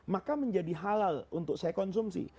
maka menjadi halal untuk saya konsumsi